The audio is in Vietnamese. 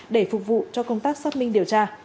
để phục vụ cho công tác xác minh điều tra